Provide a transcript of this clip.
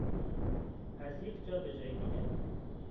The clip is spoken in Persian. از یک جا به جای دیگر